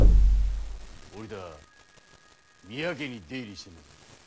折田は宮家に出入りしているのか？